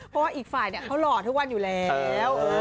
เพราะว่าอีกฝ่ายเขาหล่อทุกวันอยู่แล้ว